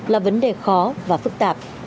là vấn đề khó và phức tạp